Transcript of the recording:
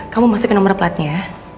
kamu masuk ke nomor platnya